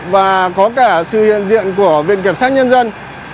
và có cả sự hiện diện của viện kiểm sát nhân dân